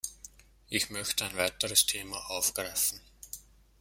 Ich möchte ein weiteres Thema aufgreifen.